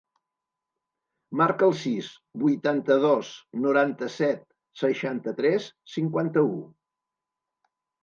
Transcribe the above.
Marca el sis, vuitanta-dos, noranta-set, seixanta-tres, cinquanta-u.